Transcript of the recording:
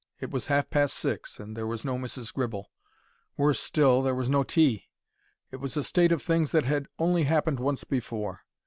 It was half past six and there was no Mrs. Gribble; worse still, there was no tea. It was a state of things that had only happened once before.